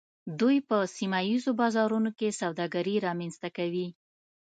دوی په سیمه ایزو بازارونو کې سوداګري رامنځته کوي